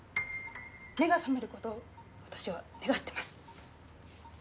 目が覚める事私は願ってます。